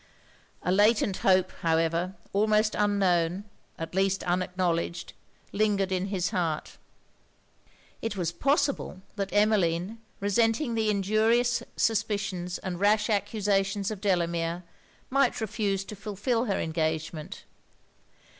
A latent hope, however, almost unknown, at least unacknowledged, lingered in his heart. It was possible that Emmeline, resenting the injurious suspicions and rash accusations of Delamere, might refuse to fulfil her engagement.